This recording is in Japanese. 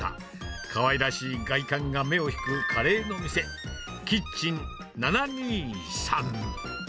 かわいらしい外観が目を引くカレーの店、キッチン７２３。